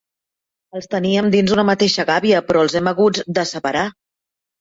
Els teníem dins una mateixa gàbia, però els hem haguts de separar.